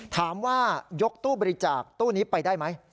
ถามว่ายกตู้บริจาคตู้นี้ไปได้ไหม